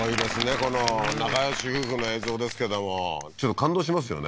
この仲良し夫婦の映像ですけどもちょっと感動しますよね